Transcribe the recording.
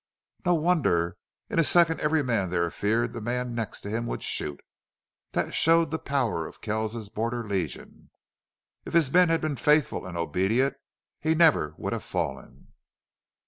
"No wonder. In a second every man there feared the man next to him would shoot. That showed the power of Kells's Border Legion. If his men had been faithful and obedient he never would have fallen."